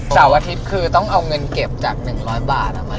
เสาร์อาทิตย์คือต้องเอาเงินเก็บจาก๑๐๐บาท